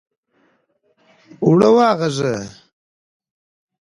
اوړه واغږه!